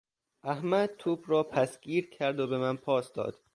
احمد توپ را پسگیر کرد و به من پاس داد.